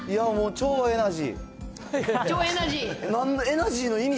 超エナジー。